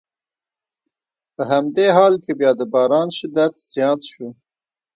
په همدې حال کې بیا د باران شدت زیات شو.